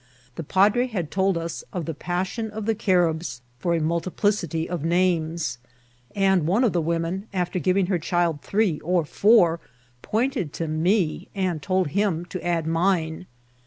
The padre had told us of the passion of the Caribs for a multiplicity of names ; and one of the women, after giving her child three or four, pointed to me, and told him to add mine.